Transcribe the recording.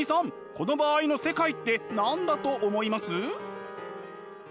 この場合の世界って何だと思います？